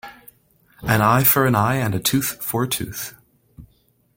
An eye for an eye and a tooth for a tooth.